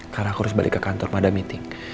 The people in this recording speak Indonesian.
karena aku harus balik ke kantor pada meeting